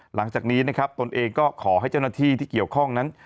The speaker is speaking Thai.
หลังจากนี้นะครับตนเองก็ขอให้เจ้าหน้าที่ที่เกี่ยวข้องนั้น